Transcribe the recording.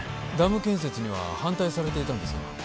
ダム建設には反対されていたんですか？